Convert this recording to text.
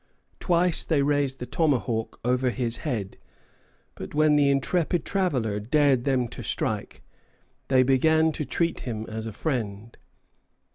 Twice they raised the tomahawk over his head; but when the intrepid traveller dared them to strike, they began to treat him as a friend.